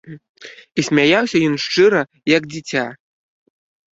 І смяяўся ён шчыра, як дзіця.